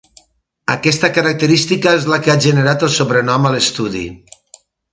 Aquesta característica és la que ha generat el sobrenom a l'estudi.